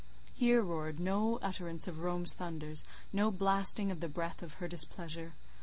Here roared no utterance of Rome's thunders, no blasting of the breath of her displeasure.